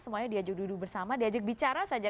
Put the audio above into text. semuanya diajak duduk bersama diajak bicara saja